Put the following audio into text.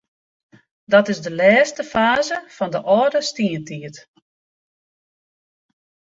Dat is de lêste faze fan de âlde stientiid.